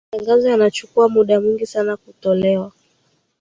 matangazo yanachukua muda mwingi sana kutolewa